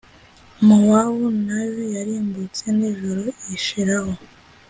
Mowabu na yo yarimbutse nijoro, ishiraho!